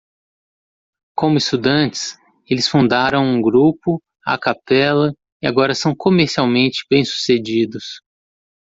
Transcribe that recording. Como estudantes, eles fundaram um grupo a capella e agora são comercialmente bem-sucedidos.